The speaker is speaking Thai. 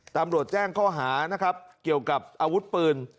ตำรวจแจ้งข้อหานะครับเกี่ยวกับอาวุธปืน